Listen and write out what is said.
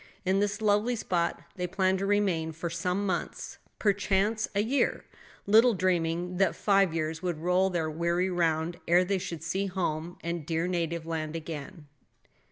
In this lovely spot they planned to remain for some months, perchance a year; little dreaming that five years would roll their weary round ere they should see home and dear native land again.